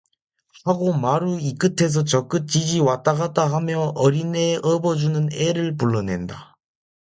하고 마루 이 끝에서 저 끝까지지 왔다갔다하며 어린애 업어주는 애를 불러 낸다.